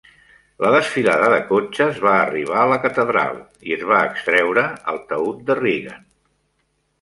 La desfilada de cotxes va arribar a la Catedral i es va extreure el taüt de Reagan.